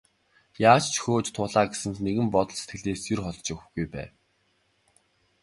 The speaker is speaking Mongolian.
Яаж ч хөөж туулаа гэсэн энэ нэгэн бодол сэтгэлээс нь ер холдож өгөхгүй байв.